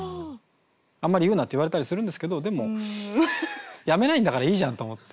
「あんまり言うな」って言われたりするんですけどでもやめないんだからいいじゃん！と思って。